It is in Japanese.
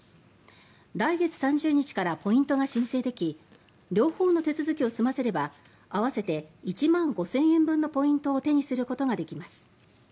来月３０日からポイントが申請でき両方の手続きを済ませれば合わせて１万５０００円分のポイントを手にすることができます。